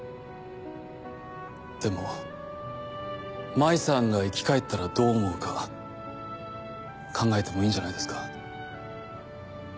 でも舞さんが生き返ったらどう思うか考えてもいいんじゃないですか。